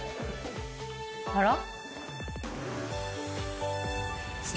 あら？